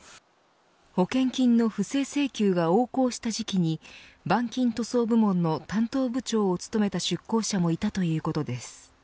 保険金の不正請求が横行した時期に板金塗装部門の担当部長を務めた出向者もいたということです。